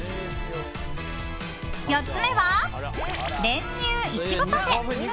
４つ目は、練乳いちごパフェ！